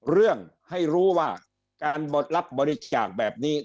เรื่องให้รู้ว่าการรับบริจาคแบบนี้